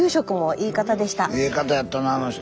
ええ方やったなあの人。